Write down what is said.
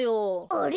あれ？